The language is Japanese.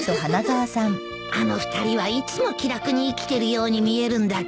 あの２人はいつも気楽に生きてるように見えるんだけど